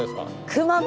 熊本！